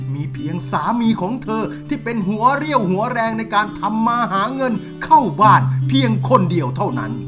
มีเพียงสามีของเธอที่เป็นหัวเรี่ยวหัวแรงในการทำมาหาเงินเข้าบ้านเพียงคนเดียวเท่านั้น